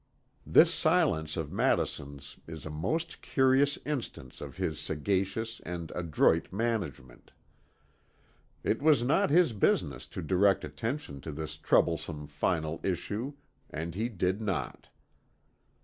This silence of Madison's is a most curious instance of his sagacious and adroit management. It was not his business to direct attention to this troublesome final issue and he did not.